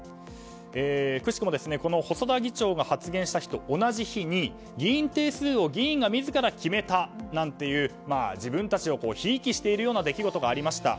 くしくも細田議長が発言したのと同じ日に議員定数を議員自ら決めたという自分たちをひいきしているような出来事がありました。